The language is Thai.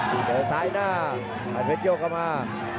มีแห่งซ้ายหน้าค่ะแภทยกเข้ามา